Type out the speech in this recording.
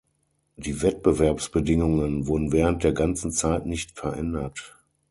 Die Wettbewerbsbedingungen wurden während der ganzen Zeit nicht verändert.